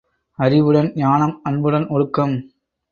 அறிவுடன் ஞானம் அன்புடன் ஒழுக்கம்.